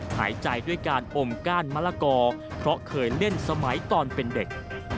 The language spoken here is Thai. หายใจด้วยการอมก้านมะละกอเพราะเคยเล่นสมัยตอนเป็นเด็ก